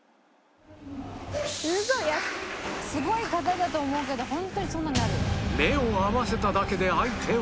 「すごい方だと思うけど本当にそんなんなる？」